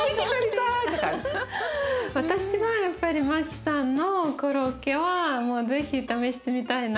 私はやっぱりマキさんのコロッケは是非試してみたいな。